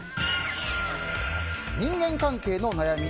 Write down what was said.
人間関係の悩み